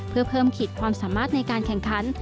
เพื่อเพิ่มขีดความสามารถในการแข่งขัน